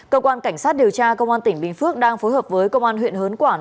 cơ quan cảnh sát điều tra công an tỉnh bình phước đang phối hợp với công an huyện hớn quản